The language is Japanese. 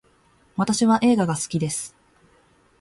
私は映画が好きです